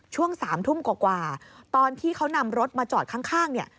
ช่วงสามทุ่มกว่าตอนที่เขานำรถมาจอดข้าง